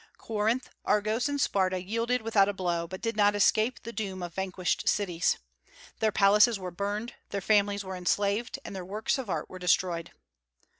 Corinth, Argos, and Sparta yielded without a blow, but did not escape the doom of vanquished cities. Their palaces were burned, their families were enslaved, and their works of art were destroyed.